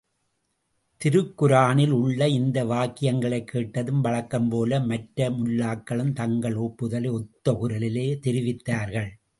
திருக்குரானில் உள்ள இந்த வாக்கியங்களைக் கேட்டதும் வழக்கம்போல மற்ற முல்லாக்களும், தங்கள் ஒப்புதலை ஒத்த குரலிலே தெரிவித்தார்கள்.